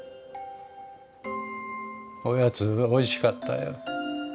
おやつおいしかったよ。